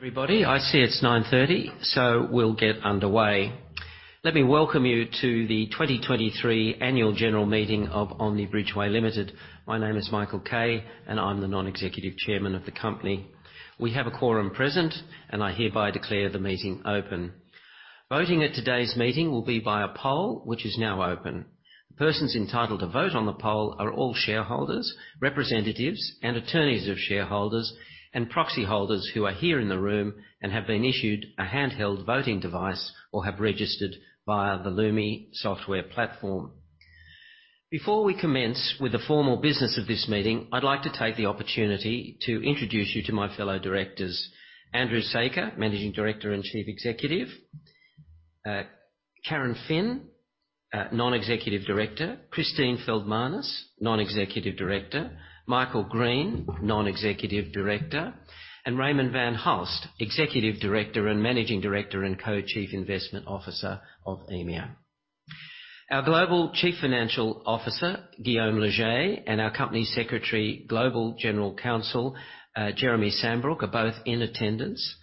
Good evening, everybody. I see it's 9:30 P.M., so we'll get underway. Let me welcome you to the 2023 Annual General Meeting of Omni Bridgeway Limited. My name is Michael Kay, and I'm the non-executive chairman of the company. We have a quorum present, and I hereby declare the meeting open. Voting at today's meeting will be by a poll, which is now open. Persons entitled to vote on the poll are all shareholders, representatives, and attorneys of shareholders, and proxy holders who are here in the room and have been issued a handheld voting device or have registered via the Lumi software platform. Before we commence with the formal business of this meeting, I'd like to take the opportunity to introduce you to my fellow directors: Andrew Saker, Managing Director and Chief Executive, Karen Phin, Non-Executive Director, Christine Feldmanis, Non-Executive Director, Michael Green, Non-Executive Director, and Raymond van Hulst, Executive Director and Managing Director and Co-Chief Investment Officer of EMEA. Our Global Chief Financial Officer, Guillaume Leger, and our Company Secretary, Global General Counsel, Jeremy Sambrook, are both in attendance.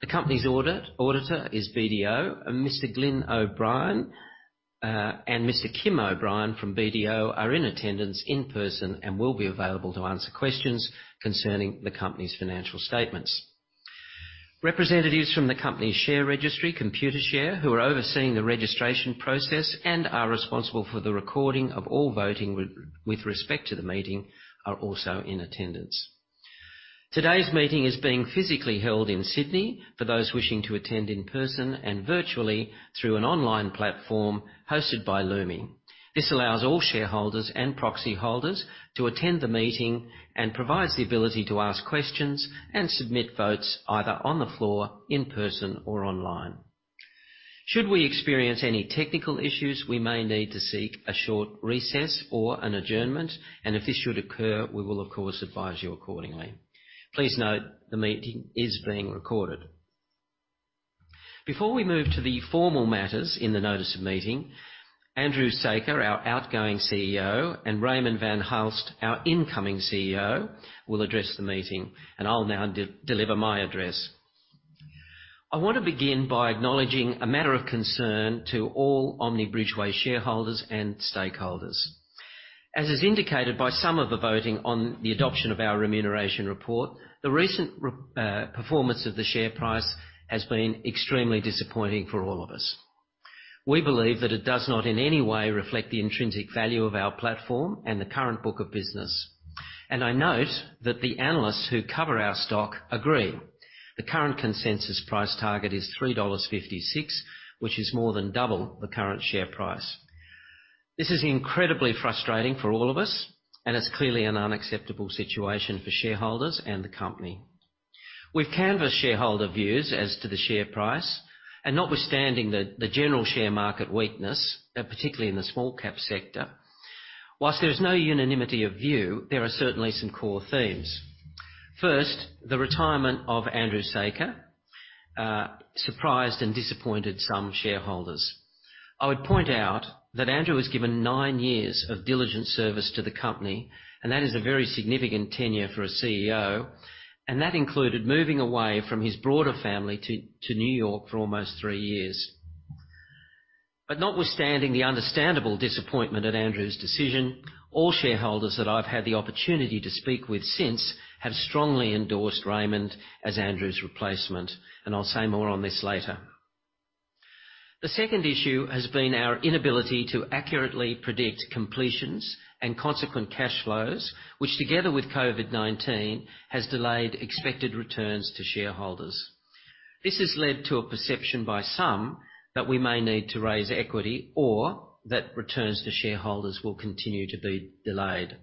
The company's auditor is BDO, and Mr. Glyn O'Brien and Mr. Kim O'Brien from BDO are in attendance in person and will be available to answer questions concerning the company's financial statements. Representatives from the company's share registry, Computershare, who are overseeing the registration process and are responsible for the recording of all voting with respect to the meeting, are also in attendance. Today's meeting is being physically held in Sydney for those wishing to attend in person and virtually through an online platform hosted by Lumi. This allows all shareholders and proxy holders to attend the meeting and provides the ability to ask questions and submit votes either on the floor, in person, or online. Should we experience any technical issues, we may need to seek a short recess or an adjournment, and if this should occur, we will, of course, advise you accordingly. Please note, the meeting is being recorded. Before we move to the formal matters in the notice of meeting, Andrew Saker, our outgoing CEO, and Raymond van Hulst, our incoming CEO, will address the meeting, and I'll now deliver my address. I want to begin by acknowledging a matter of concern to all Omni Bridgeway shareholders and stakeholders. As is indicated by some of the voting on the adoption of our remuneration report, the recent performance of the share price has been extremely disappointing for all of us. We believe that it does not in any way reflect the intrinsic value of our platform and the current book of business. And I note that the analysts who cover our stock agree. The current consensus price target is 3.56 dollars, which is more than double the current share price. This is incredibly frustrating for all of us, and it's clearly an unacceptable situation for shareholders and the company. We've canvassed shareholder views as to the share price, and notwithstanding the general share market weakness, particularly in the small cap sector, whilst there's no unanimity of view, there are certainly some core themes. First, the retirement of Andrew Saker surprised and disappointed some shareholders. I would point out that Andrew has given nine years of diligent service to the company, and that is a very significant tenure for a CEO, and that included moving away from his broader family to New York for almost three years. But notwithstanding the understandable disappointment at Andrew's decision, all shareholders that I've had the opportunity to speak with since have strongly endorsed Raymond as Andrew's replacement, and I'll say more on this later. The second issue has been our inability to accurately predict completions and consequent cash flows, which, together with COVID-19, has delayed expected returns to shareholders. This has led to a perception by some that we may need to raise equity or that returns to shareholders will continue to be delayed.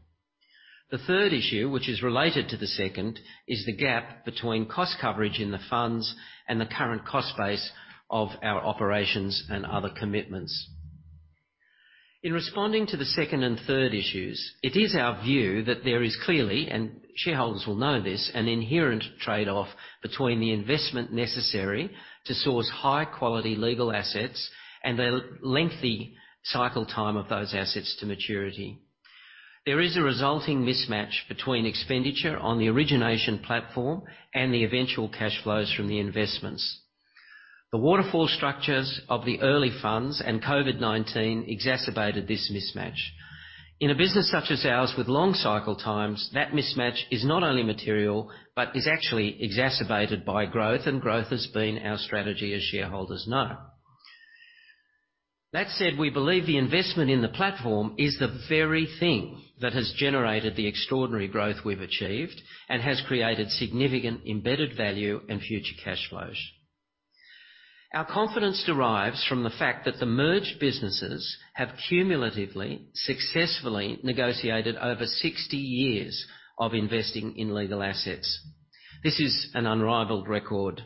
The third issue, which is related to the second, is the gap between cost coverage in the funds and the current cost base of our operations and other commitments. In responding to the second and third issues, it is our view that there is clearly, and shareholders will know this, an inherent trade-off between the investment necessary to source high-quality legal assets and the lengthy cycle time of those assets to maturity. There is a resulting mismatch between expenditure on the origination platform and the eventual cash flows from the investments. The waterfall structures of the early funds and COVID-19 exacerbated this mismatch. In a business such as ours, with long cycle times, that mismatch is not only material, but is actually exacerbated by growth, and growth has been our strategy, as shareholders know. That said, we believe the investment in the platform is the very thing that has generated the extraordinary growth we've achieved and has created significant embedded value and future cash flows. Our confidence derives from the fact that the merged businesses have cumulatively, successfully negotiated over 60 years of investing in legal assets. This is an unrivaled record.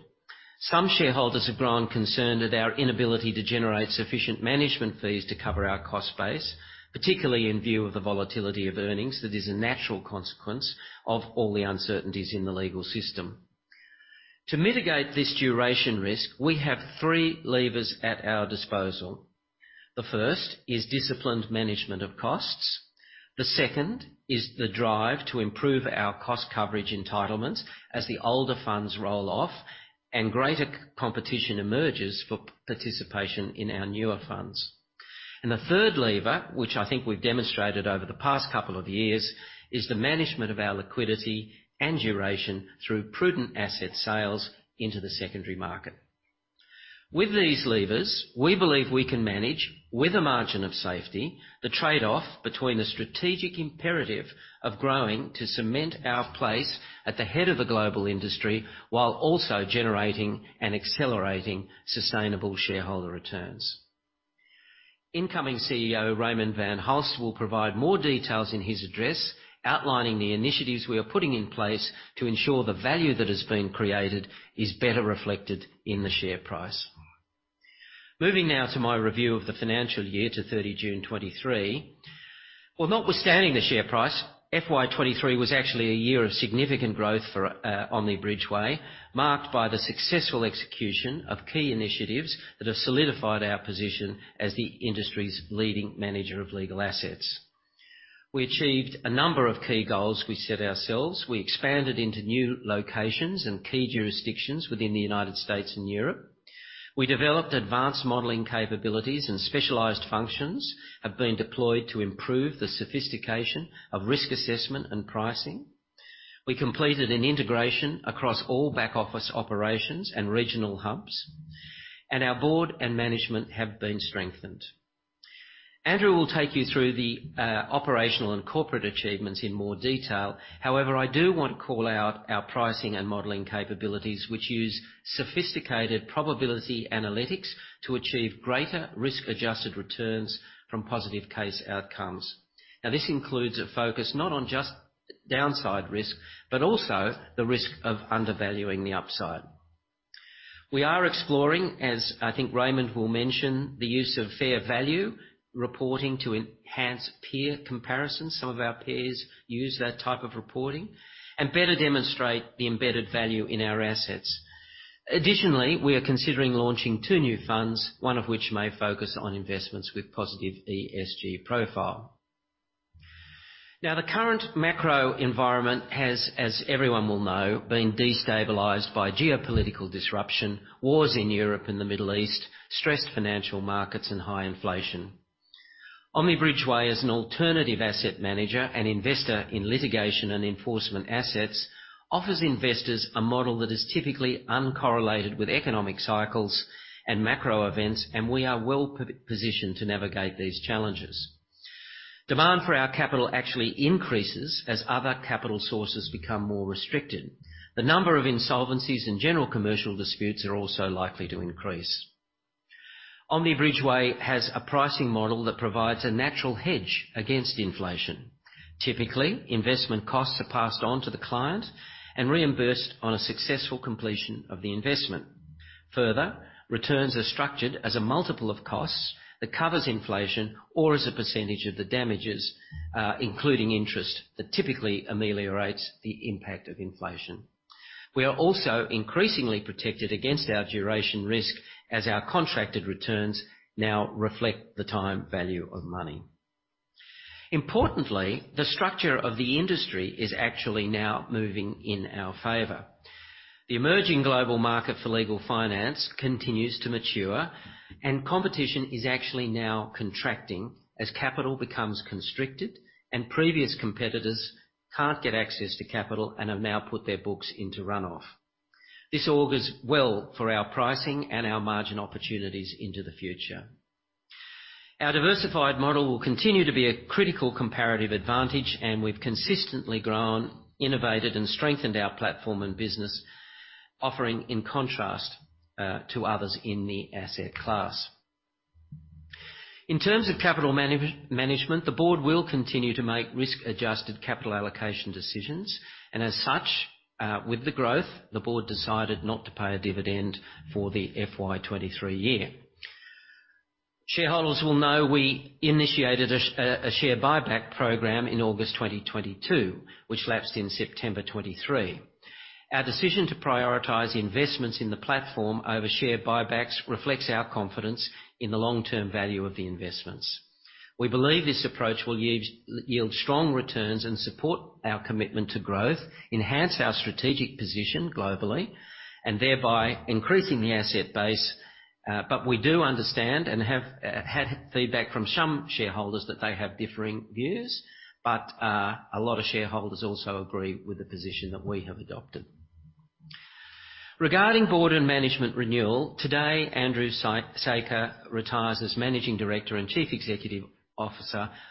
Some shareholders have grown concerned at our inability to generate sufficient management fees to cover our cost base, particularly in view of the volatility of earnings that is a natural consequence of all the uncertainties in the legal system. To mitigate this duration risk, we have three levers at our disposal. The first is disciplined management of costs. The second is the drive to improve our cost coverage entitlements as the older funds roll off and greater competition emerges for participation in our newer funds. And the third lever, which I think we've demonstrated over the past couple of years, is the management of our liquidity and duration through prudent asset sales into the secondary market. With these levers, we believe we can manage, with a margin of safety, the trade-off between the strategic imperative of growing to cement our place at the head of a global industry, while also generating and accelerating sustainable shareholder returns. Incoming CEO, Raymond van Hulst, will provide more details in his address, outlining the initiatives we are putting in place to ensure the value that has been created is better reflected in the share price. Moving now to my review of the financial year to 30 June 2023. Well, notwithstanding the share price, FY 2023 was actually a year of significant growth for Omni Bridgeway, marked by the successful execution of key initiatives that have solidified our position as the industry's leading manager of legal assets. We achieved a number of key goals we set ourselves. We expanded into new locations and key jurisdictions within the United States and Europe. We developed advanced modeling capabilities, and specialized functions have been deployed to improve the sophistication of risk assessment and pricing. We completed an integration across all back-office operations and regional hubs, and our board and management have been strengthened. Andrew will take you through the operational and corporate achievements in more detail. However, I do want to call out our pricing and modeling capabilities, which use sophisticated probability analytics to achieve greater risk-adjusted returns from positive case outcomes. Now, this includes a focus not on just downside risk, but also the risk of undervaluing the upside. We are exploring, as I think Raymond will mention, the use of fair value reporting to enhance peer comparisons, some of our peers use that type of reporting, and better demonstrate the embedded value in our assets. Additionally, we are considering launching two new funds, one of which may focus on investments with positive ESG profile. Now, the current macro environment has, as everyone will know, been destabilized by geopolitical disruption, wars in Europe and the Middle East, stressed financial markets, and high inflation. Omni Bridgeway, as an alternative asset manager and investor in litigation and enforcement assets, offers investors a model that is typically uncorrelated with economic cycles and macro events, and we are well positioned to navigate these challenges. Demand for our capital actually increases as other capital sources become more restricted. The number of insolvencies and general commercial disputes are also likely to increase. Omni Bridgeway has a pricing model that provides a natural hedge against inflation. Typically, investment costs are passed on to the client and reimbursed on a successful completion of the investment. Further, returns are structured as a multiple of costs that covers inflation or as a percentage of the damages, including interest, that typically ameliorates the impact of inflation. We are also increasingly protected against our duration risk as our contracted returns now reflect the time value of money. Importantly, the structure of the industry is actually now moving in our favor. The emerging global market for legal finance continues to mature, and competition is actually now contracting as capital becomes constricted and previous competitors can't get access to capital and have now put their books into run-off. This augurs well for our pricing and our margin opportunities into the future. Our diversified model will continue to be a critical comparative advantage, and we've consistently grown, innovated, and strengthened our platform and business offering, in contrast to others in the asset class. In terms of capital management, the board will continue to make risk-adjusted capital allocation decisions, and as such, with the growth, the board decided not to pay a dividend for the FY 2023 year. Shareholders will know we initiated a share buyback program in August 2022, which lapsed in September 2023. Our decision to prioritize investments in the platform over share buybacks reflects our confidence in the long-term value of the investments. We believe this approach will yield strong returns and support our commitment to growth, enhance our strategic position globally, and thereby increasing the asset base. But we do understand and have had feedback from some shareholders that they have differing views, but a lot of shareholders also agree with the position that we have adopted. Regarding board and management renewal, today, Andrew Saker retires as Managing Director and Chief Executive Officer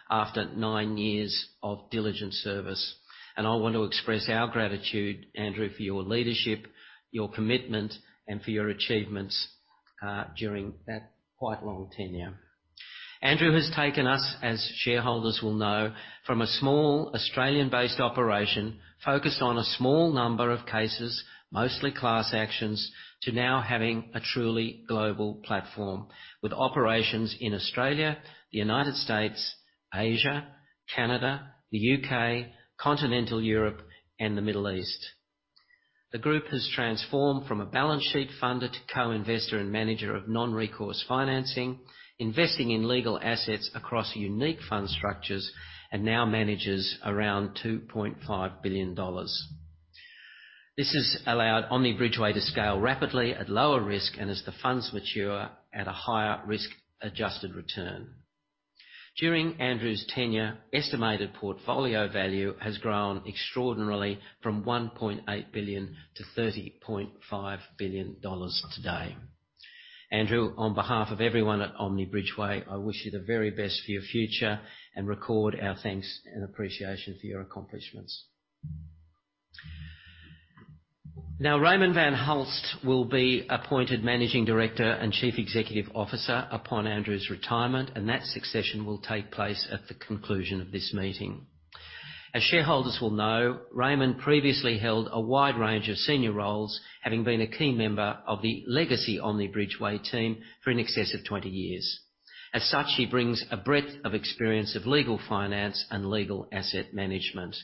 after nine years of diligent service, and I want to express our gratitude, Andrew, for your leadership, your commitment, and for your achievements during that quite long tenure. Andrew has taken us, as shareholders will know, from a small Australian-based operation, focused on a small number of cases, mostly class actions, to now having a truly global platform, with operations in Australia, the United States, Asia, Canada, the U.K., continental Europe, and the Middle East. The group has transformed from a balance sheet funder to co-investor and manager of non-recourse financing, investing in legal assets across unique fund structures, and now manages around $2.5 billion. This has allowed Omni Bridgeway to scale rapidly at lower risk, and as the funds mature, at a higher risk-adjusted return. During Andrew's tenure, estimated portfolio value has grown extraordinarily from $1.8 billion to $30.5 billion today. Andrew, on behalf of everyone at Omni Bridgeway, I wish you the very best for your future and record our thanks and appreciation for your accomplishments. Now, Raymond van Hulst will be appointed Managing Director and Chief Executive Officer upon Andrew's retirement, and that succession will take place at the conclusion of this meeting. As shareholders will know, Raymond previously held a wide range of senior roles, having been a key member of the legacy Omni Bridgeway team for in excess of 20 years. As such, he brings a breadth of experience of legal finance and legal asset management.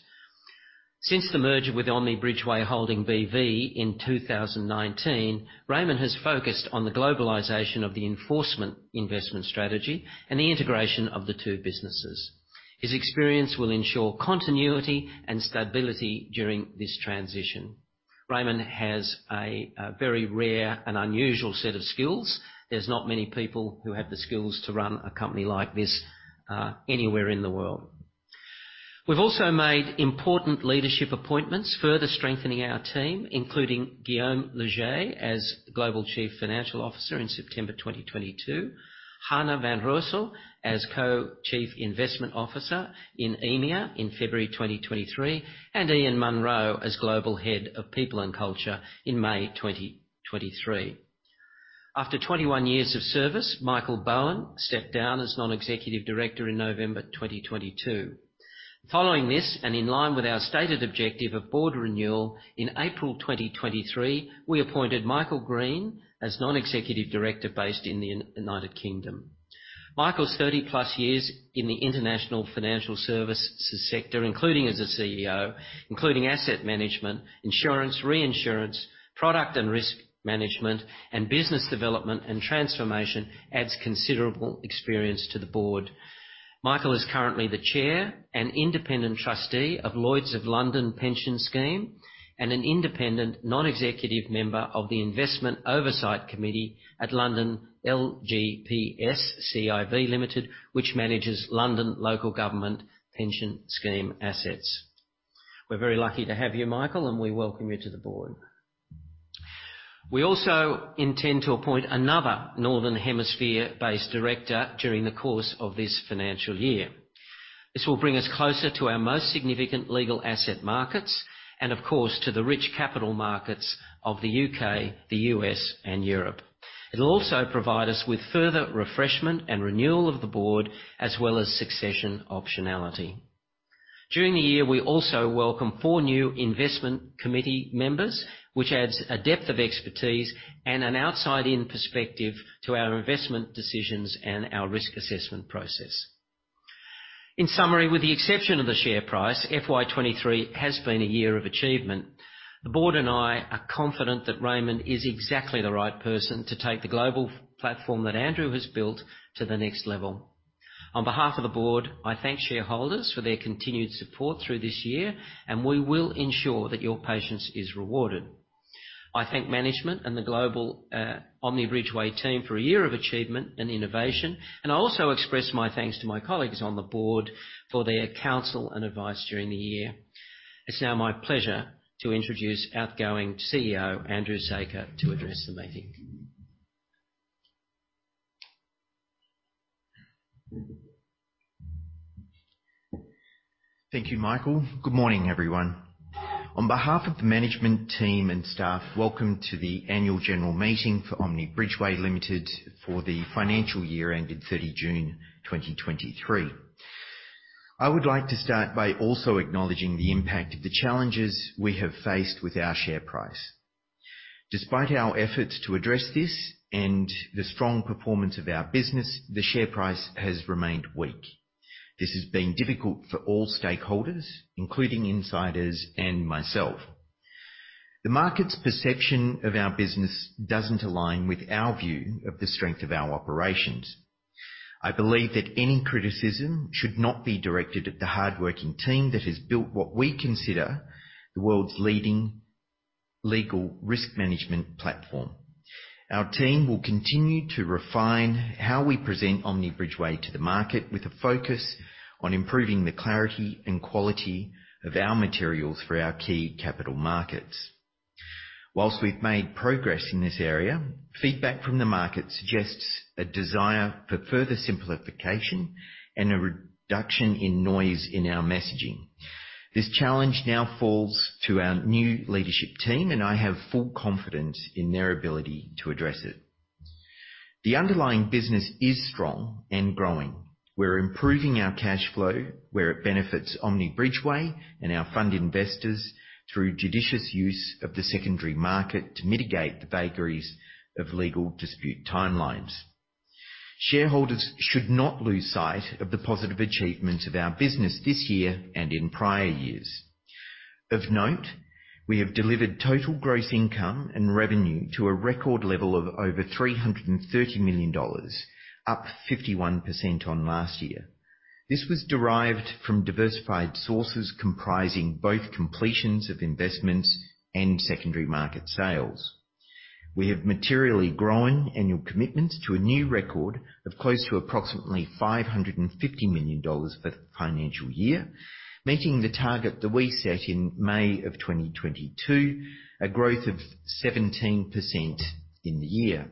Since the merger with Omni Bridgeway Holding B.V. in 2019, Raymond has focused on the globalization of the enforcement investment strategy and the integration of the two businesses. His experience will ensure continuity and stability during this transition. Raymond has a very rare and unusual set of skills. There's not many people who have the skills to run a company like this, anywhere in the world. We've also made important leadership appointments, further strengthening our team, including Guillaume Leger as Global Chief Financial Officer in September 2022, Hannah van Roessel as Co-Chief Investment Officer in EMEA in February 2023, and Ian Munro as Global Head of People and Culture in May 2023. After 21 years of service, Michael Bowen stepped down as non-executive director in November 2022. Following this, and in line with our stated objective of board renewal, in April 2023, we appointed Michael Green as non-executive director based in the United Kingdom. Michael's 30+ years in the international financial services sector, including as a CEO, including asset management, insurance, reinsurance, product and risk management, and business development and transformation, adds considerable experience to the board. Michael is currently the chair and independent trustee of Lloyd's of London Pension Scheme, and an independent non-executive member of the Investment Oversight Committee at London LGPS CIV Limited, which manages London local government pension scheme assets. We're very lucky to have you, Michael, and we welcome you to the board. We also intend to appoint another Northern Hemisphere-based director during the course of this financial year. This will bring us closer to our most significant legal asset markets, and of course, to the rich capital markets of the U.K., the U.S., and Europe. It'll also provide us with further refreshment and renewal of the board, as well as succession optionality. During the year, we also welcome four new investment committee members, which adds a depth of expertise and an outside-in perspective to our investment decisions and our risk assessment process. In summary, with the exception of the share price, FY 2023 has been a year of achievement. The board and I are confident that Raymond is exactly the right person to take the global platform that Andrew has built to the next level. On behalf of the board, I thank shareholders for their continued support through this year, and we will ensure that your patience is rewarded. I thank management and the global Omni Bridgeway team for a year of achievement and innovation, and I also express my thanks to my colleagues on the board for their counsel and advice during the year. It's now my pleasure to introduce outgoing CEO, Andrew Saker, to address the meeting. Thank you, Michael. Good morning, everyone. On behalf of the management team and staff, welcome to the Annual General Meeting for Omni Bridgeway Limited for the financial year ended 30 June 2023. I would like to start by also acknowledging the impact of the challenges we have faced with our share price. Despite our efforts to address this and the strong performance of our business, the share price has remained weak. This has been difficult for all stakeholders, including insiders and myself. The market's perception of our business doesn't align with our view of the strength of our operations. I believe that any criticism should not be directed at the hardworking team that has built what we consider the world's leading legal risk management platform. Our team will continue to refine how we present Omni Bridgeway to the market, with a focus on improving the clarity and quality of our materials for our key capital markets. While we've made progress in this area, feedback from the market suggests a desire for further simplification and a reduction in noise in our messaging. This challenge now falls to our new leadership team, and I have full confidence in their ability to address it. The underlying business is strong and growing. We're improving our cash flow, where it benefits Omni Bridgeway and our fund investors, through judicious use of the secondary market to mitigate the vagaries of legal dispute timelines. Shareholders should not lose sight of the positive achievements of our business this year and in prior years. Of note, we have delivered total gross income and revenue to a record level of over 330 million dollars, up 51% on last year. This was derived from diversified sources, comprising both completions of investments and secondary market sales. We have materially grown annual commitments to a new record of close to approximately 550 million dollars for the financial year, meeting the target that we set in May of 2022, a growth of 17% in the year.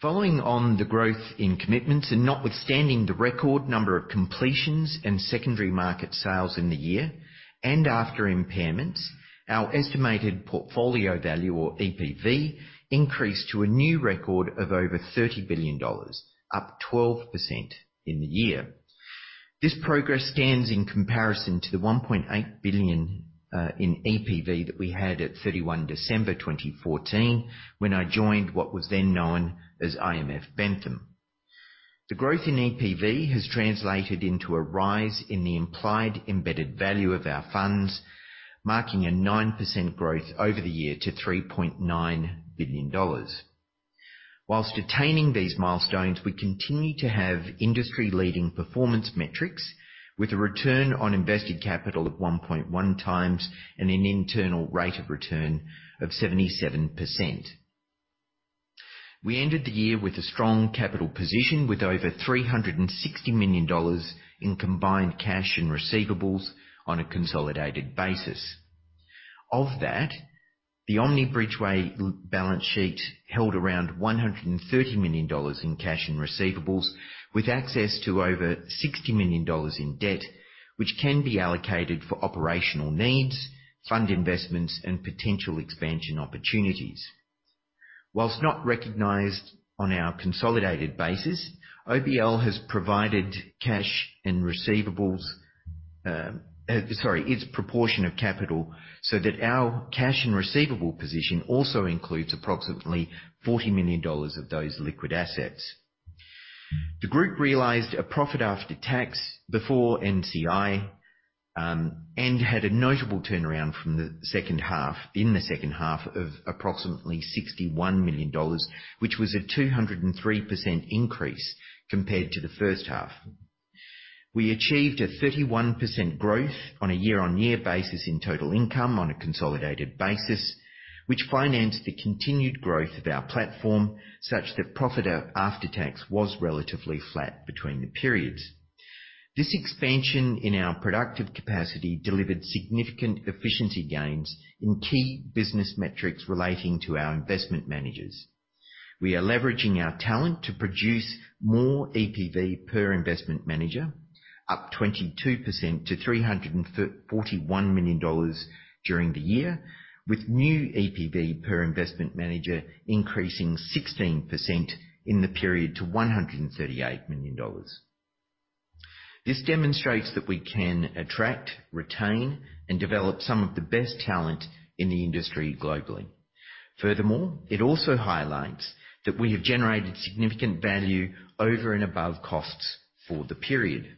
Following on the growth in commitments, and notwithstanding the record number of completions and secondary market sales in the year, and after impairments, our estimated portfolio value, or EPV, increased to a new record of over 30 billion dollars, up 12% in the year. This progress stands in comparison to the $1.8 billion in EPV that we had at 31 December 2014, when I joined what was then known as IMF Bentham. The growth in EPV has translated into a rise in the implied embedded value of our funds, marking a 9% growth over the year to $3.9 billion. Whilst attaining these milestones, we continue to have industry-leading performance metrics, with a return on invested capital of 1.1x and an internal rate of return of 77%. We ended the year with a strong capital position, with over $360 million in combined cash and receivables on a consolidated basis. Of that, the Omni Bridgeway balance sheet held around 130 million dollars in cash and receivables, with access to over 60 million dollars in debt, which can be allocated for operational needs, fund investments, and potential expansion opportunities. While not recognized on our consolidated basis, OBL has provided cash and receivables, its proportion of capital, so that our cash and receivable position also includes approximately 40 million dollars of those liquid assets. The group realized a profit after tax before NCI, and had a notable turnaround from the second half, in the second half of approximately 61 million dollars, which was a 203% increase compared to the first half. We achieved a 31% growth on a year-on-year basis in total income on a consolidated basis, which financed the continued growth of our platform, such that profit after tax was relatively flat between the periods. This expansion in our productive capacity delivered significant efficiency gains in key business metrics relating to our investment managers. We are leveraging our talent to produce more EPV per investment manager, up 22% to 341 million dollars during the year, with new EPV per investment manager increasing 16% in the period to AUD 138 million. This demonstrates that we can attract, retain, and develop some of the best talent in the industry globally. Furthermore, it also highlights that we have generated significant value over and above costs for the period.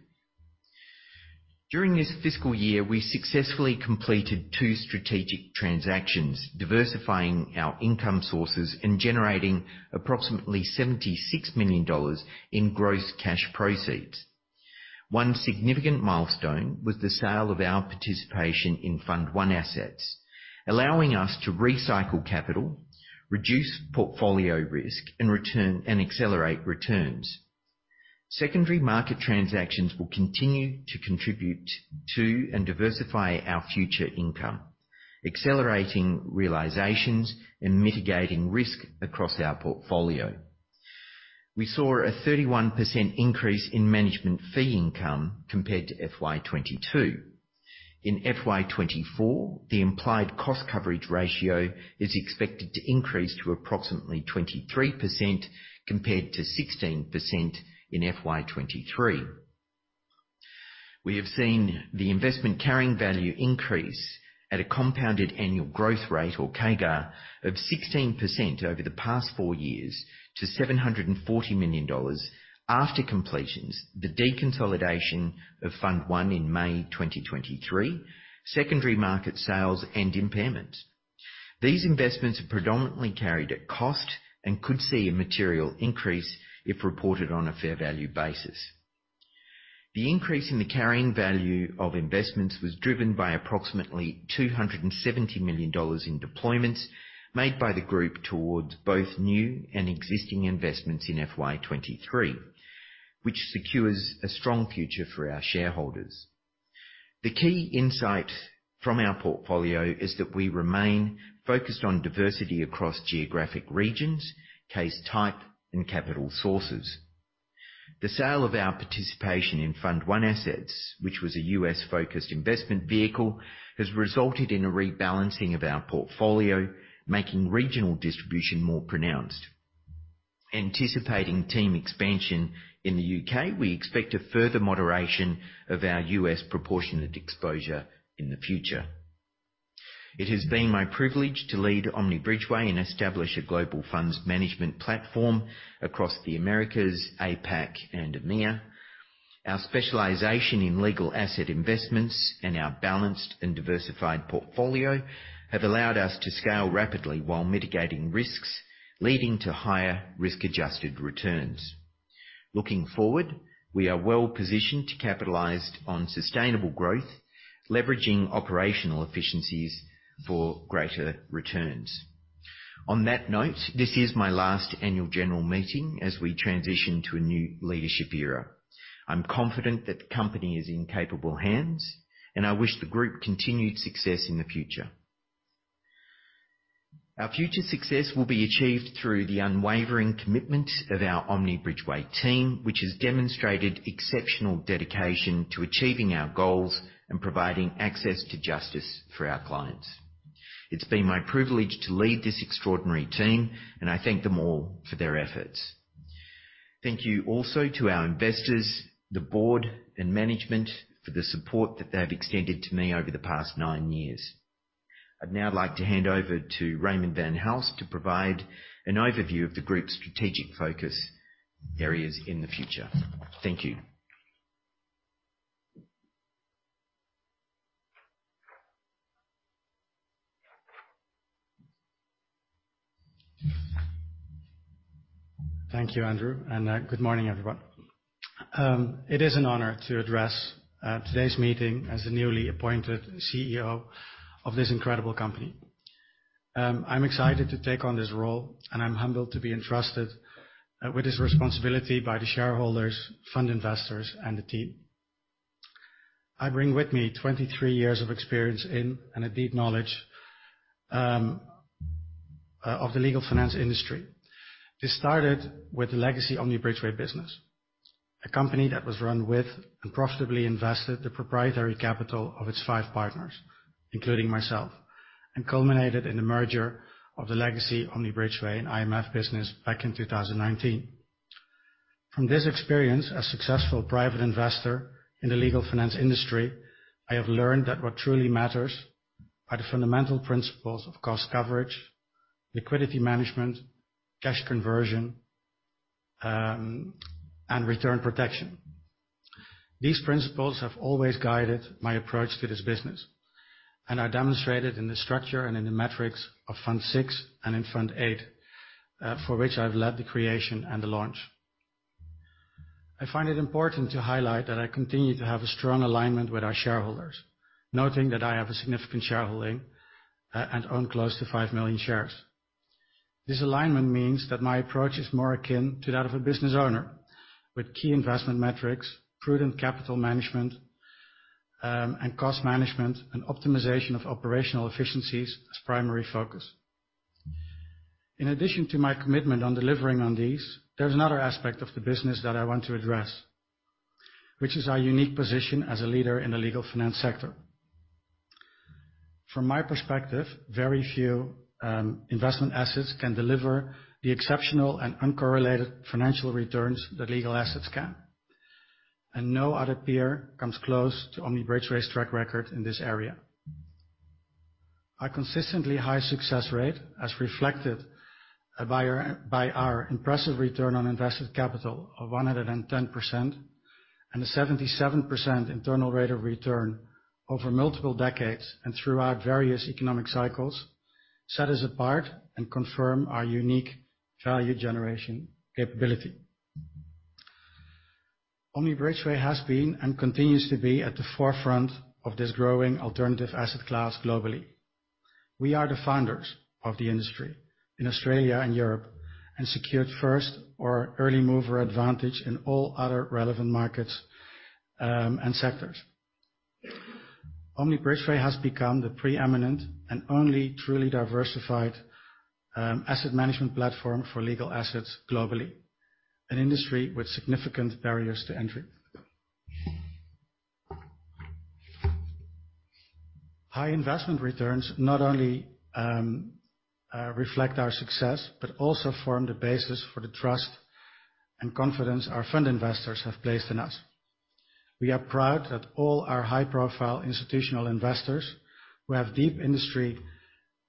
During this fiscal year, we successfully completed two strategic transactions, diversifying our income sources and generating approximately $76 million in gross cash proceeds. One significant milestone was the sale of our participation in Fund 1 Assets, allowing us to recycle capital, reduce portfolio risk, and return and accelerate returns. Secondary market transactions will continue to contribute to and diversify our future income, accelerating realizations and mitigating risk across our portfolio. We saw a 31% increase in management fee income compared to FY 2022. In FY 2024, the implied cost coverage ratio is expected to increase to approximately 23%, compared to 16% in FY 2023. We have seen the investment carrying value increase at a compounded annual growth rate, or CAGR, of 16% over the past four years to $740 million after completions, the deconsolidation of Fund 1 in May 2023, secondary market sales, and impairments. These investments are predominantly carried at cost and could see a material increase if reported on a fair value basis. The increase in the carrying value of investments was driven by approximately $270 million in deployments made by the group towards both new and existing investments in FY 2023, which secures a strong future for our shareholders. The key insight from our portfolio is that we remain focused on diversity across geographic regions, case type, and capital sources. The sale of our participation in Fund 1 Assets, which was a U.S.-focused investment vehicle, has resulted in a rebalancing of our portfolio, making regional distribution more pronounced. Anticipating team expansion in the U.K., we expect a further moderation of our U.S. proportionate exposure in the future. It has been my privilege to lead Omni Bridgeway and establish a global funds management platform across the Americas, APAC, and EMEA. Our specialization in legal asset investments and our balanced and diversified portfolio have allowed us to scale rapidly while mitigating risks, leading to higher risk-adjusted returns. Looking forward, we are well-positioned to capitalize on sustainable growth, leveraging operational efficiencies for greater returns. On that note, this is my last annual general meeting as we transition to a new leadership era. I'm confident that the company is in capable hands, and I wish the group continued success in the future. Our future success will be achieved through the unwavering commitment of our Omni Bridgeway team, which has demonstrated exceptional dedication to achieving our goals and providing access to justice for our clients. It's been my privilege to lead this extraordinary team, and I thank them all for their efforts. Thank you also to our investors, the board, and management, for the support that they have extended to me over the past nine years. I'd now like to hand over to Raymond van Hulst to provide an overview of the group's strategic focus areas in the future. Thank you. Thank you, Andrew, and good morning, everyone. It is an honor to address today's meeting as the newly appointed CEO of this incredible company. I'm excited to take on this role, and I'm humbled to be entrusted with this responsibility by the shareholders, fund investors, and the team. I bring with me 23 years of experience in, and a deep knowledge, of the legal finance industry. This started with the legacy Omni Bridgeway business, a company that was run with and profitably invested the proprietary capital of its 5 partners, including myself, and culminated in the merger of the legacy Omni Bridgeway and IMF business back in 2019. From this experience, as a successful private investor in the legal finance industry, I have learned that what truly matters are the fundamental principles of cost coverage, liquidity management, cash conversion, and return protection. These principles have always guided my approach to this business and are demonstrated in the structure and in the metrics of Fund 6 and in Fund 8, for which I've led the creation and the launch. I find it important to highlight that I continue to have a strong alignment with our shareholders, noting that I have a significant shareholding, and own close to 5 million shares. This alignment means that my approach is more akin to that of a business owner, with key investment metrics, prudent capital management, and cost management and optimization of operational efficiencies as primary focus. In addition to my commitment on delivering on these, there's another aspect of the business that I want to address, which is our unique position as a leader in the legal finance sector. From my perspective, very few investment assets can deliver the exceptional and uncorrelated financial returns that legal assets can, and no other peer comes close to Omni Bridgeway's track record in this area. Our consistently high success rate, as reflected by our impressive return on invested capital of 110%, and a 77% internal rate of return over multiple decades and throughout various economic cycles, set us apart and confirm our unique value generation capability. Omni Bridgeway has been, and continues to be, at the forefront of this growing alternative asset class globally. We are the founders of the industry in Australia and Europe, and secured first or early mover advantage in all other relevant markets, and sectors. Omni Bridgeway has become the preeminent and only truly diversified asset management platform for legal assets globally, an industry with significant barriers to entry. High investment returns not only reflect our success, but also form the basis for the trust and confidence our fund investors have placed in us. We are proud that all our high-profile institutional investors, who have deep industry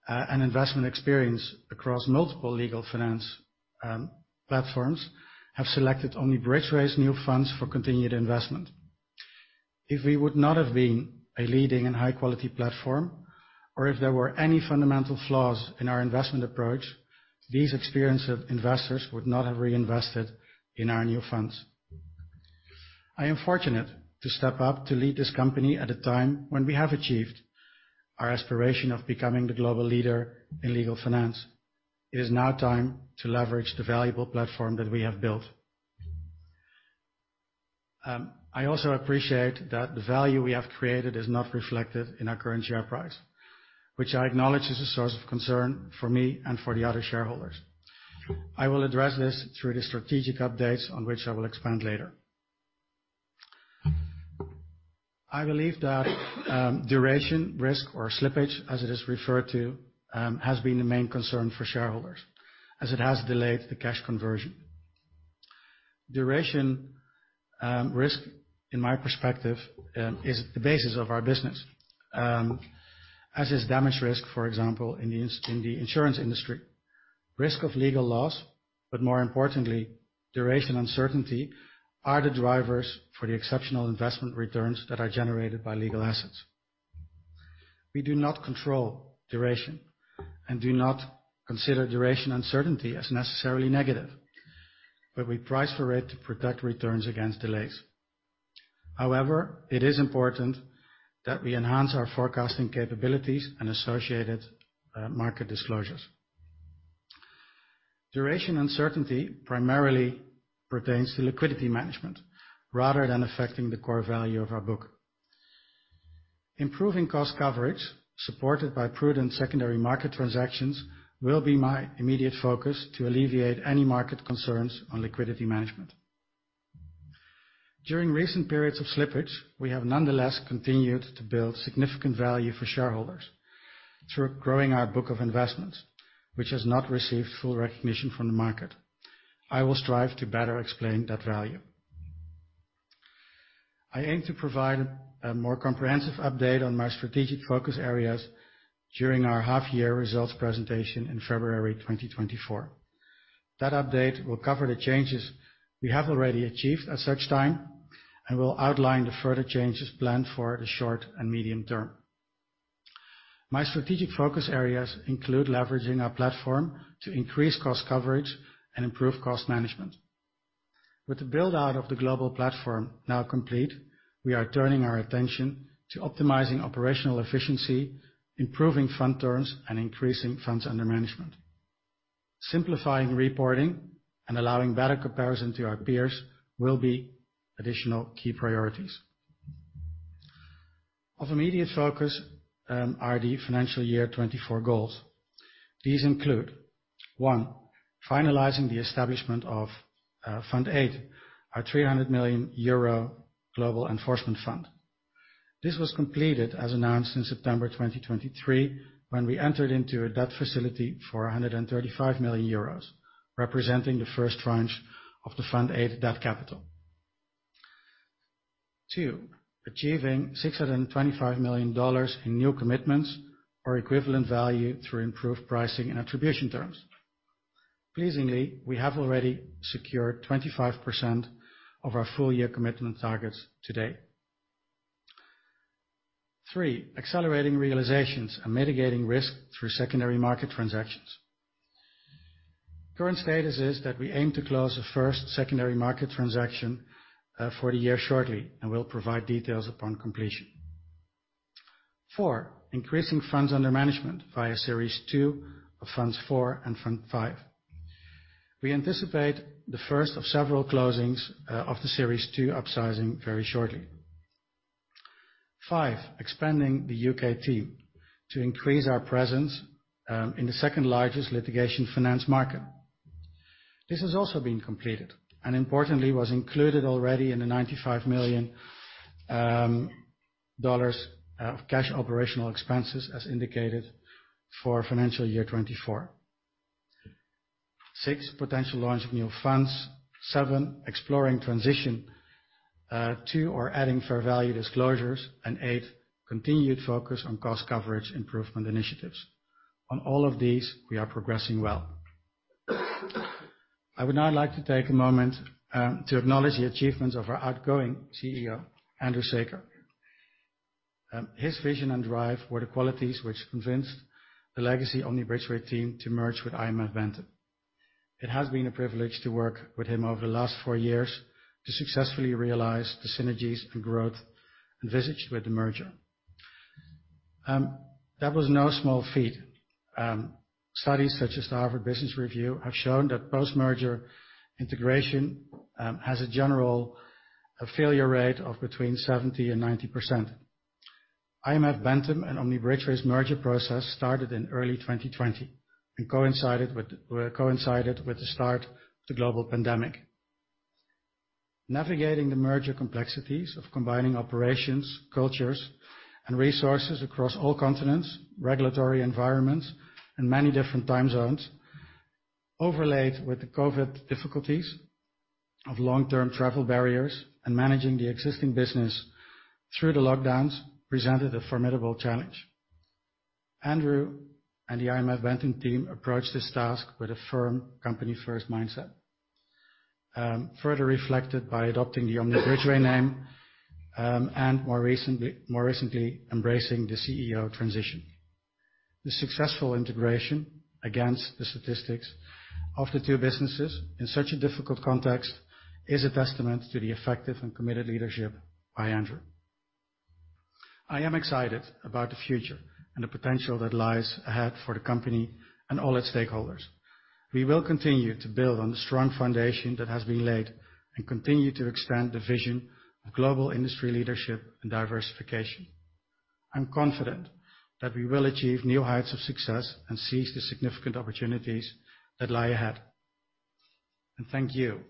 and investment experience across multiple legal finance platforms, have selected Omni Bridgeway's new funds for continued investment. If we would not have been a leading and high-quality platform, or if there were any fundamental flaws in our investment approach, these experienced investors would not have reinvested in our new funds. I am fortunate to step up to lead this company at a time when we have achieved our aspiration of becoming the global leader in legal finance. It is now time to leverage the valuable platform that we have built. I also appreciate that the value we have created is not reflected in our current share price, which I acknowledge is a source of concern for me and for the other shareholders. I will address this through the strategic updates on which I will expand later. I believe that duration risk, or slippage, as it is referred to, has been the main concern for shareholders as it has delayed the cash conversion. Duration risk, in my perspective, is the basis of our business. As is duration risk, for example, in the insurance industry. Risk of legal loss, but more importantly, duration uncertainty, are the drivers for the exceptional investment returns that are generated by legal assets. We do not control duration, and do not consider duration uncertainty as necessarily negative, but we price for it to protect returns against delays. However, it is important that we enhance our forecasting capabilities and associated market disclosures. Duration uncertainty primarily pertains to liquidity management, rather than affecting the core value of our book. Improving cost coverage, supported by prudent secondary market transactions, will be my immediate focus to alleviate any market concerns on liquidity management. During recent periods of slippage, we have nonetheless continued to build significant value for shareholders through growing our book of investments, which has not received full recognition from the market. I will strive to better explain that value. I aim to provide a more comprehensive update on my strategic focus areas during our half-year results presentation in February 2024. That update will cover the changes we have already achieved at such time, and will outline the further changes planned for the short and medium term. My strategic focus areas include leveraging our platform to increase cost coverage and improve cost management. With the build-out of the global platform now complete, we are turning our attention to optimizing operational efficiency, improving fund terms, and increasing funds under management. Simplifying reporting and allowing better comparison to our peers will be additional key priorities. Of immediate focus are the financial year 2024 goals. These include, 1, finalizing the establishment of Fund 8, our 300 million euro global enforcement fund. This was completed, as announced in September 2023, when we entered into a debt facility for 135 million euros, representing the first tranche of the Fund 8 debt capital. 2, achieving $625 million in new commitments or equivalent value through improved pricing and attribution terms. Pleasingly, we have already secured 25% of our full year commitment targets to date. 3, accelerating realizations and mitigating risk through secondary market transactions. Current status is that we aim to close the first secondary market transaction for the year shortly, and we'll provide details upon completion. 4, increasing funds under management via Series Two of Funds 4 and Fund 5. We anticipate the first of several closings of the Series Two upsizing very shortly. 5, expanding the U.K. team to increase our presence in the second-largest litigation finance market. This has also been completed, and importantly, was included already in the 95 million dollars of cash operational expenses, as indicated for financial year 2024. 6, potential launch of new funds. 7, exploring transition to or adding fair value disclosures, and 8, continued focus on cost coverage improvement initiatives. On all of these, we are progressing well. I would now like to take a moment to acknowledge the achievements of our outgoing CEO, Andrew Saker. His vision and drive were the qualities which convinced the legacy Omni Bridgeway team to merge with IMF Bentham. It has been a privilege to work with him over the last four years to successfully realize the synergies and growth envisaged with the merger. That was no small feat. Studies such as the Harvard Business Review have shown that post-merger integration has a general, a failure rate of between 70% and 90%. IMF Bentham and Omni Bridgeway's merger process started in early 2020, and coincided with the start of the global pandemic. Navigating the merger complexities of combining operations, cultures, and resources across all continents, regulatory environments, and many different time zones, overlaid with the COVID difficulties of long-term travel barriers and managing the existing business through the lockdowns, presented a formidable challenge. Andrew and the IMF Bentham team approached this task with a firm company-first mindset, further reflected by adopting the Omni Bridgeway name, and more recently embracing the CEO transition. The successful integration against the statistics of the two businesses in such a difficult context is a testament to the effective and committed leadership by Andrew. I am excited about the future and the potential that lies ahead for the company and all its stakeholders. We will continue to build on the strong foundation that has been laid, and continue to expand the vision of global industry leadership and diversification. I'm confident that we will achieve new heights of success and seize the significant opportunities that lie ahead. Thank you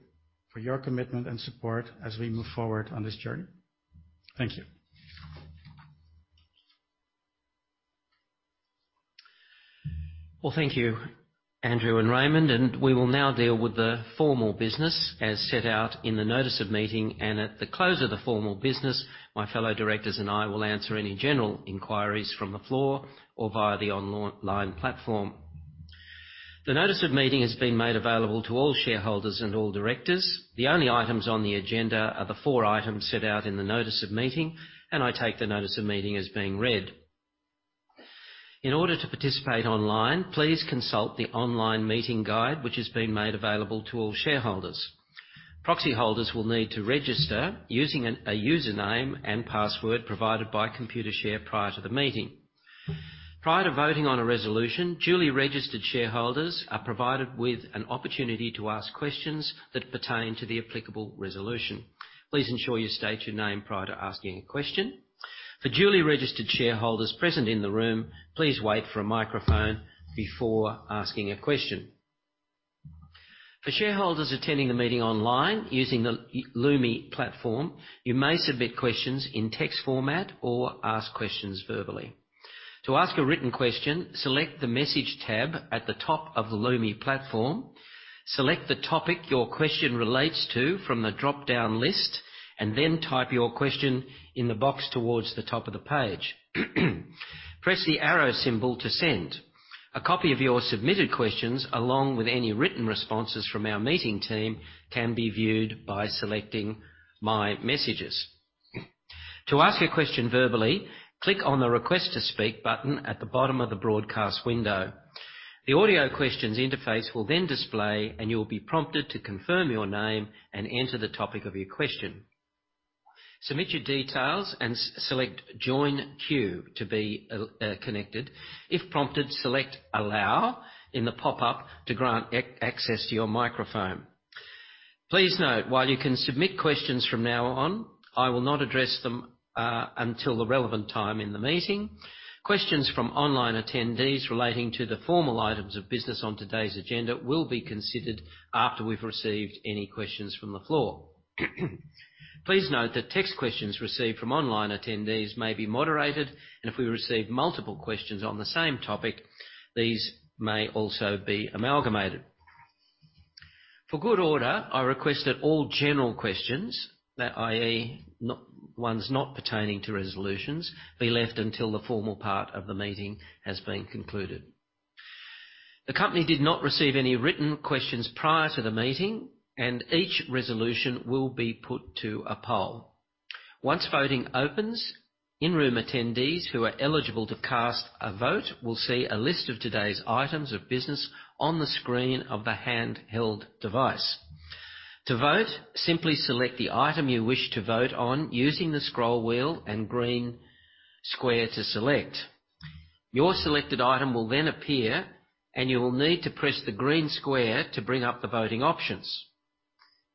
for your commitment and support as we move forward on this journey. Thank you! Well, thank you, Andrew and Raymond, and we will now deal with the formal business as set out in the notice of meeting. At the close of the formal business, my fellow directors and I will answer any general inquiries from the floor or via the online platform. The notice of meeting has been made available to all shareholders and all directors. The only items on the agenda are the four items set out in the notice of meeting, and I take the notice of meeting as being read. In order to participate online, please consult the online meeting guide, which has been made available to all shareholders. Proxy holders will need to register using a username and password provided by Computershare prior to the meeting. Prior to voting on a resolution, duly registered shareholders are provided with an opportunity to ask questions that pertain to the applicable resolution. Please ensure you state your name prior to asking a question. For duly registered shareholders present in the room, please wait for a microphone before asking a question. For shareholders attending the meeting online using the Lumi platform, you may submit questions in text format or ask questions verbally. To ask a written question, select the Message tab at the top of the Lumi platform. Select the topic your question relates to from the drop-down list, and then type your question in the box towards the top of the page. Press the arrow symbol to send. A copy of your submitted questions, along with any written responses from our meeting team, can be viewed by selecting My Messages. To ask a question verbally, click on the Request to Speak button at the bottom of the broadcast window. The audio questions interface will then display, and you will be prompted to confirm your name and enter the topic of your question. Submit your details and select Join Queue to be connected. If prompted, select Allow in the pop-up to grant access to your microphone. Please note, while you can submit questions from now on, I will not address them until the relevant time in the meeting. Questions from online attendees relating to the formal items of business on today's agenda will be considered after we've received any questions from the floor. Please note that text questions received from online attendees may be moderated, and if we receive multiple questions on the same topic, these may also be amalgamated. For good order, I request that all general questions, that i.e., not ones not pertaining to resolutions, be left until the formal part of the meeting has been concluded. The company did not receive any written questions prior to the meeting, and each resolution will be put to a poll. Once voting opens, in-room attendees who are eligible to cast a vote will see a list of today's items of business on the screen of the handheld device. To vote, simply select the item you wish to vote on using the scroll wheel and green square to select. Your selected item will then appear, and you will need to press the green square to bring up the voting options.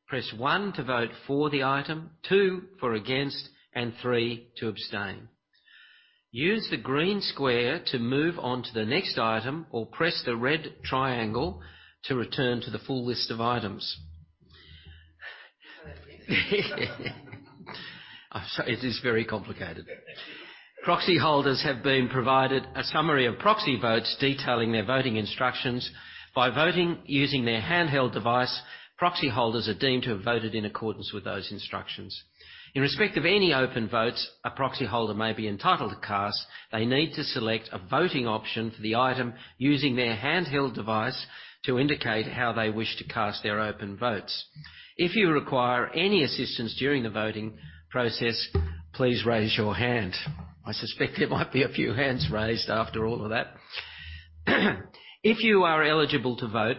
Press one to vote for the item, two for against, and three to abstain. Use the green square to move on to the next item, or press the red triangle to return to the full list of items. I'm sorry, it is very complicated. Proxy holders have been provided a summary of proxy votes detailing their voting instructions. By voting using their handheld device, proxy holders are deemed to have voted in accordance with those instructions. In respect of any open votes a proxy holder may be entitled to cast, they need to select a voting option for the item using their handheld device to indicate how they wish to cast their open votes. If you require any assistance during the voting process, please raise your hand. I suspect there might be a few hands raised after all of that. If you are eligible to vote,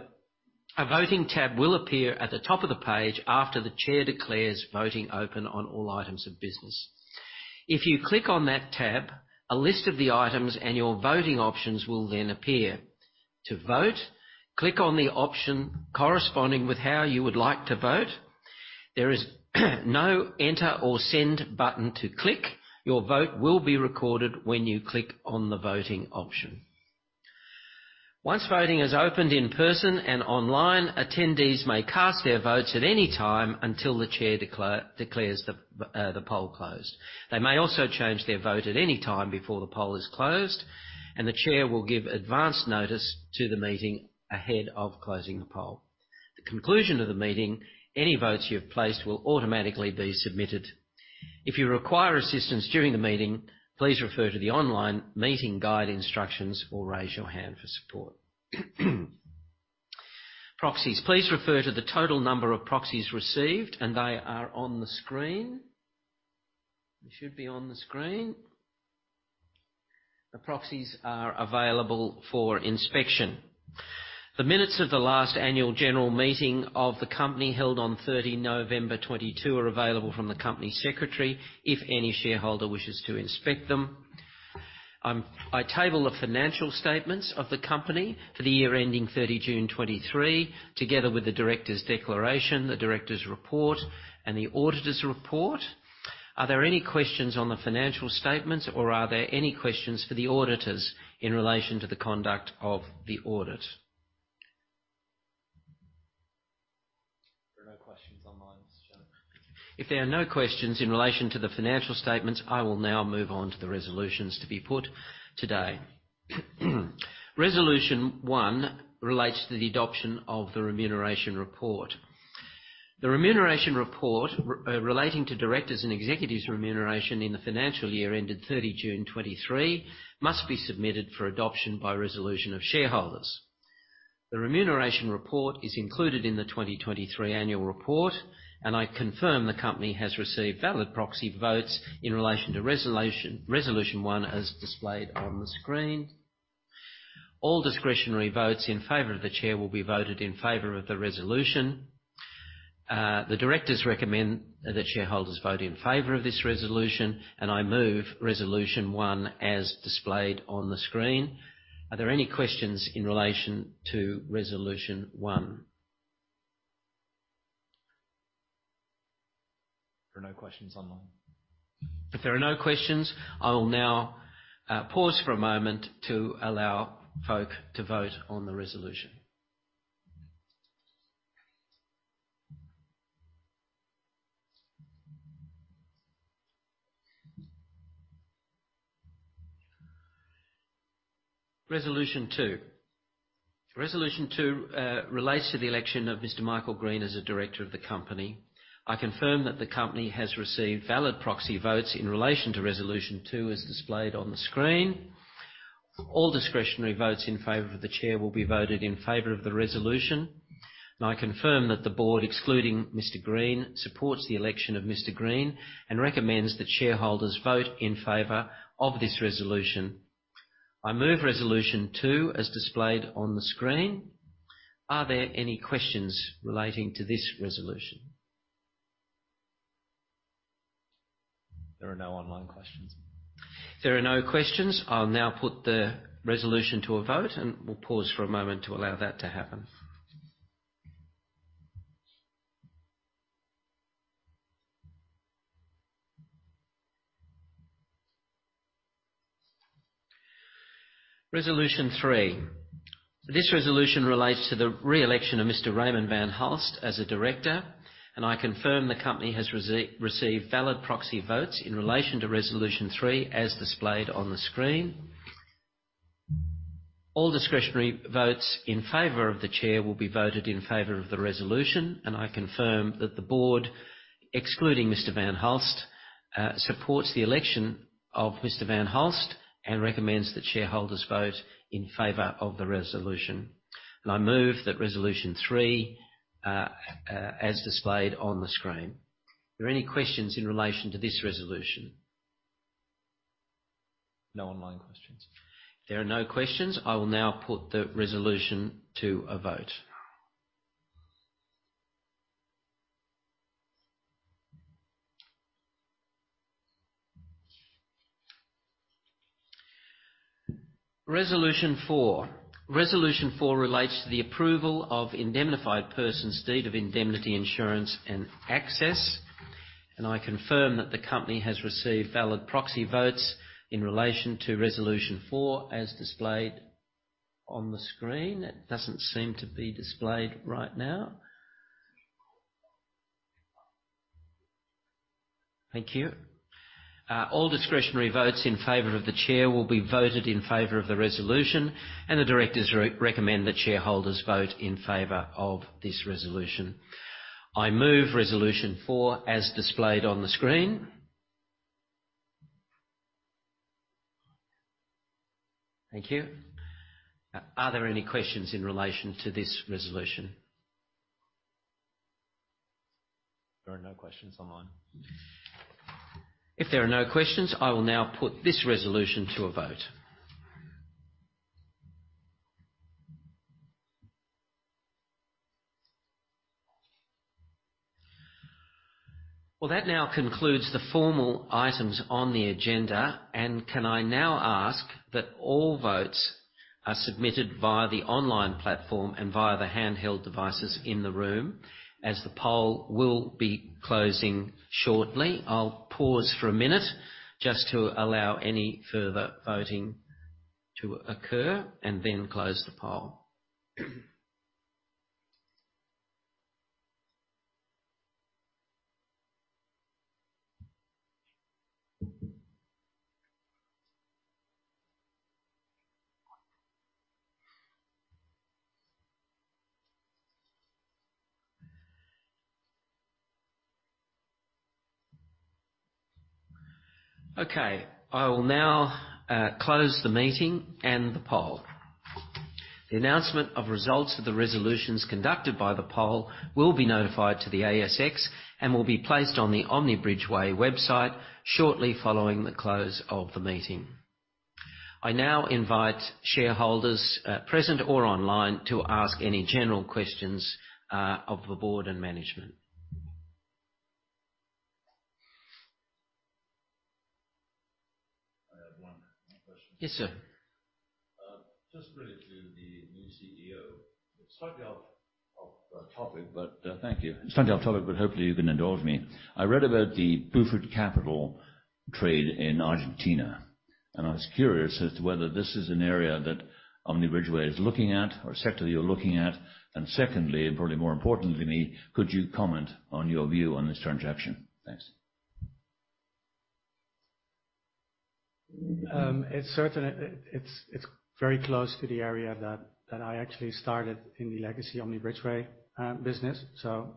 a voting tab will appear at the top of the page after the Chair declares voting open on all items of business. If you click on that tab, a list of the items and your voting options will then appear. To vote, click on the option corresponding with how you would like to vote. There is no Enter or Send button to click. Your vote will be recorded when you click on the voting option. Once voting is opened in person and online, attendees may cast their votes at any time until the Chair declares the poll closed. They may also change their vote at any time before the poll is closed, and the Chair will give advance notice to the meeting ahead of closing the poll. The conclusion of the meeting, any votes you've placed will automatically be submitted. If you require assistance during the meeting, please refer to the online meeting guide instructions or raise your hand for support. Proxies. Please refer to the total number of proxies received, and they are on the screen. They should be on the screen. The proxies are available for inspection. The minutes of the last annual general meeting of the company, held on 30 November 2022, are available from the Company Secretary if any shareholder wishes to inspect them. I table the financial statements of the company for the year ending 30 June 2023, together with the directors' declaration, the directors' report, and the auditors' report. Are there any questions on the financial statements, or are there any questions for the auditors in relation to the conduct of the audit? No questions online, Mr. Chair. If there are no questions in relation to the financial statements, I will now move on to the resolutions to be put today. Resolution 1 relates to the adoption of the remuneration report. The remuneration report relating to directors and executives' remuneration in the financial year ended 30 June 2023, must be submitted for adoption by resolution of shareholders. The remuneration report is included in the 2023 annual report, and I confirm the company has received valid proxy votes in relation to resolution 1, as displayed on the screen. All discretionary votes in favor of the chair will be voted in favor of the resolution. The directors recommend that shareholders vote in favor of this resolution, and I move resolution 1 as displayed on the screen. Are there any questions in relation to resolution 1? There are no questions online. If there are no questions, I will now pause for a moment to allow folk to vote on the resolution. Resolution 2. Resolution 2 relates to the election of Mr. Michael Green as a director of the company. I confirm that the company has received valid proxy votes in relation to resolution 2, as displayed on the screen. All discretionary votes in favor of the chair will be voted in favor of the resolution. I confirm that the board, excluding Mr. Green, supports the election of Mr. Green and recommends that shareholders vote in favor of this resolution. I move resolution 2, as displayed on the screen. Are there any questions relating to this resolution? There are no online questions. If there are no questions, I'll now put the resolution to a vote, and we'll pause for a moment to allow that to happen. Resolution 3. This resolution relates to the re-election of Mr. Raymond van Hulst as a director, and I confirm the company has received valid proxy votes in relation to resolution 3, as displayed on the screen. All discretionary votes in favor of the chair will be voted in favor of the resolution, and I confirm that the board, excluding Mr. van Hulst, supports the election of Mr. van Hulst and recommends that shareholders vote in favor of the resolution. And I move that resolution 3, as displayed on the screen. Are there any questions in relation to this resolution? No online questions. If there are no questions, I will now put the resolution to a vote. Resolution 4. Resolution 4 relates to the approval of indemnified persons, deed of indemnity, insurance, and access, and I confirm that the company has received valid proxy votes in relation to resolution 4, as displayed on the screen. It doesn't seem to be displayed right now. Thank you. All discretionary votes in favor of the chair will be voted in favor of the resolution, and the directors recommend that shareholders vote in favor of this resolution. I move resolution 4 as displayed on the screen. Thank you. Are there any questions in relation to this resolution? There are no questions online. If there are no questions, I will now put this resolution to a vote. Well, that now concludes the formal items on the agenda, and can I now ask that all votes are submitted via the online platform and via the handheld devices in the room, as the poll will be closing shortly? I'll pause for a minute just to allow any further voting to occur and then close the poll. Okay, I will now close the meeting and the poll. The announcement of results of the resolutions conducted by the poll will be notified to the ASX and will be placed on the Omni Bridgeway website shortly following the close of the meeting. I now invite shareholders present or online to ask any general questions of the board and management. I have one question. Yes, sir. Just related to the new CEO. Slightly off topic, but thank you. Slightly off topic, but hopefully you can indulge me. I read about the Burford Capital trade in Argentina, and I was curious as to whether this is an area that Omni Bridgeway is looking at or a sector you're looking at. And secondly, and probably more importantly, could you comment on your view on this transaction? Thanks. It's certainly very close to the area that I actually started in the legacy Omni Bridgeway business. So,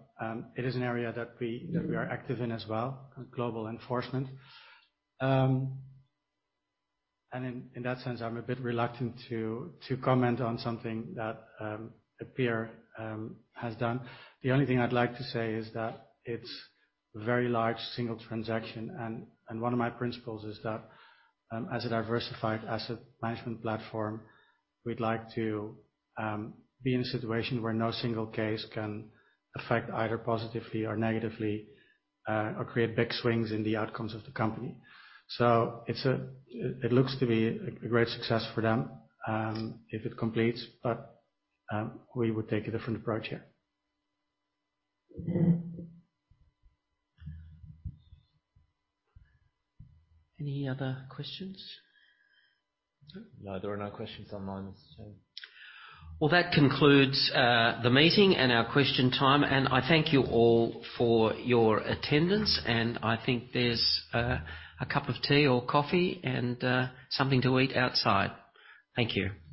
it is an area that we- Mm-hmm. that we are active in as well, global enforcement. And in that sense, I'm a bit reluctant to comment on something that a peer has done. The only thing I'd like to say is that it's a very large single transaction, and one of my principles is that as a diversified asset management platform, we'd like to be in a situation where no single case can affect either positively or negatively or create big swings in the outcomes of the company. So it's a, It looks to be a great success for them, if it completes, but we would take a different approach here. Any other questions? Sorry? No, there are no questions online, Mr. Chair. Well, that concludes the meeting and our question time, and I thank you all for your attendance, and I think there's a cup of tea or coffee and something to eat outside. Thank you.